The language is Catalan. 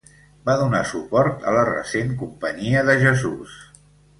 Va donar suport a la recent Companyia de Jesús.